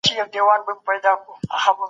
ما پرېکړه کړې چي نور به ډېر لوستل کوم.